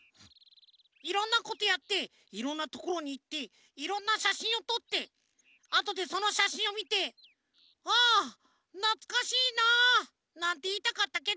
いろんなことやっていろんなところにいっていろんなしゃしんをとってあとでそのしゃしんをみて「ああなつかしいなあ」なんていいたかったけど